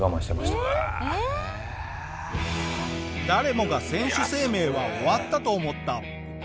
誰もが選手生命は終わったと思った。